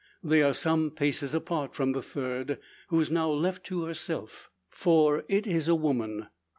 They are some paces apart from the third, who is now left to herself: for it is a woman.